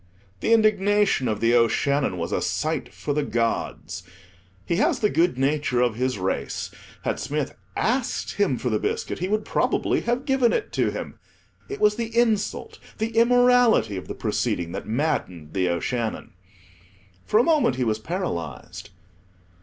The indignation of The O'Shannon was a sight for the gods. He has the good nature of his race: had Smith asked him for the biscuit he would probably have given it to him; it was the insult—the immorality of the proceeding, that maddened The O'Shannon. For a moment he was paralyzed.